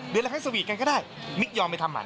เดือนละครั้งสวีทกันก็ได้มิกยอมไปทำหมัน